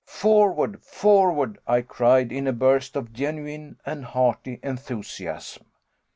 "Forward forward," I cried in a burst of genuine and hearty enthusiasm.